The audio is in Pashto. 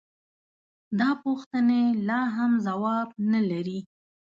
دا پوښتنې لا هم ځواب نه لري.